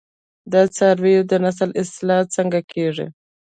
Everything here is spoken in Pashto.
د څارویو د نسل اصلاح څنګه کیږي؟